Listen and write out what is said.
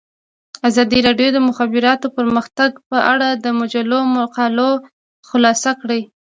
ازادي راډیو د د مخابراتو پرمختګ په اړه د مجلو مقالو خلاصه کړې.